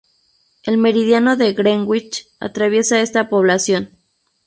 El Meridiano de Greenwich atraviesa esta población.